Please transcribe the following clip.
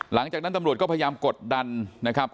หลังจากนั้นตำรวจก็พยายามกดดันนะครับ